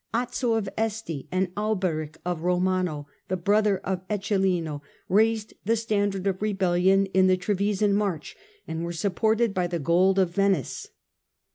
Azzo of Este and Alberic de Romano, the brother of Eccelin, raised the standard of rebellion in the Trevisan March and were supported by the gold of Venice.